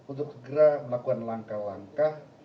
untuk segera melakukan langkah langkah